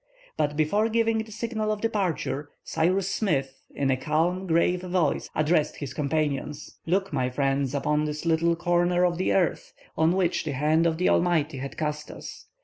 But before giving the signal of departure, Cyrus Smith, in a calm, grave voice, addressed his companions. "Look, my friends, upon this little corner of the earth, on which the hand of the Almighty has cast us.